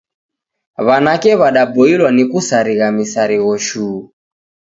W'anake w'adaboilwa ni kusarigha msarigho shuu.